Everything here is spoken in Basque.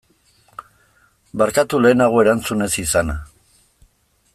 Barkatu lehenago erantzun ez izana.